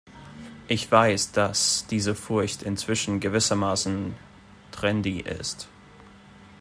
Ich weiß, dass diese Furcht inzwischen gewissermaßen "trendy" ist.